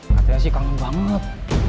katanya sih kangen banget